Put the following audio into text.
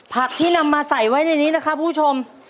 ผักที่นำมาใส่ไว้ในนี้นะคะผู้ชม